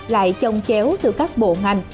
lại trông chéo từ các bộ ngành